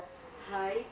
はい。